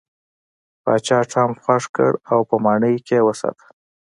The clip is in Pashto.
پاچا ټام خوښ کړ او په ماڼۍ کې یې وساته.